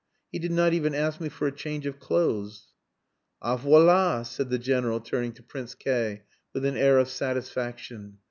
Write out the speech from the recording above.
He did not even ask me for a change of clothes." "Ah voila!" said the General, turning to Prince K with an air of satisfaction.